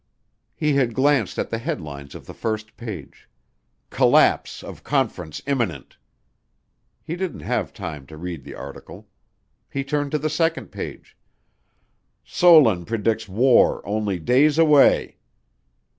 He had glanced at the headlines of the first page. "Collapse Of Conference Imminent." He didn't have time to read the article. He turned to the second page. "Solon Predicts War Only Days Away."